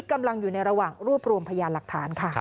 กำลังอยู่ในระหว่างรวบรวมพยานหลักฐานค่ะ